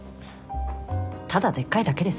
ただでっかいだけです。